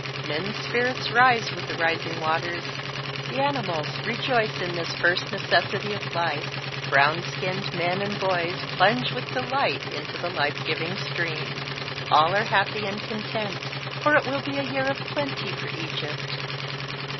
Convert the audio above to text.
Men's 'spirits rise with the rising waters, A YEAH OF PLENTY. 19 the animals rejoice in this first necessity of life, brow^ skinned men and boys plunge with delight into the life giving stream. All are happy and content. For it will be a year of plenty for Egypt.